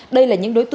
đây là những đối tượng